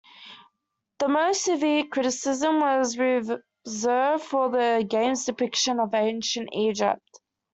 The most severe criticism was reserved for the game's depiction of Ancient Egypt.